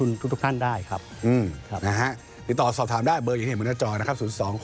อืมนะฮะติดต่อสอบถามได้เบอร์ยังเห็นบนหน้าจอนะครับ๐๒๖๘๖๖๑๐๐๙